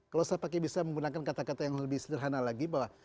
kalau saya pakai bisa menggunakan kata kata yang lebih sederhana lagi bahwa